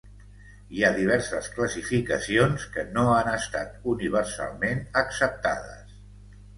Hi ha diverses classificacions que no han estat universalment acceptades.